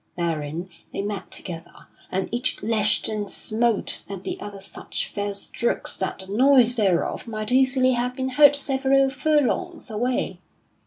Therewith they met together, and each lashed and smote at the other such fell strokes that the noise thereof might easily have been heard several furlongs away.